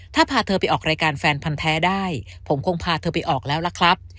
ถ้าพาเธอไปออกรายการแฟนพันธ์แท้ได้ผมคงพาเธอไปออกแล้วล่ะครับ